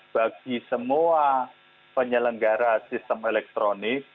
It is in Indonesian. bagi semua penyelenggara sistem elektronik